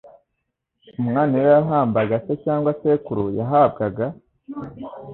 Umwana iyo yahambaga se cyangwa sekuru yahabwaga